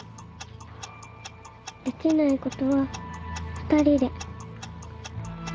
できないことは二人で。